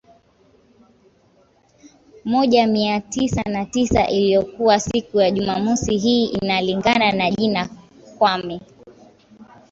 moja mia tisa na tisa iliyokuwa siku ya Jumamosi Hii inalingana na jina Kwame